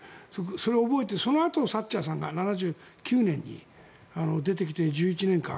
それを覚えてそのあとサッチャーさんが７９年に出てきて１１年間。